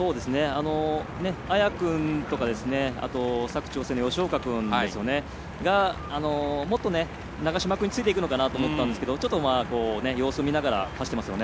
綾君とか佐久長聖の吉岡君がもっと、長嶋君についていくのかなと思ったんですけど様子を見ながら走っていますね。